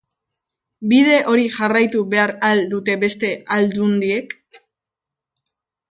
Bide hori jarraitu behar al dute beste aldundiek?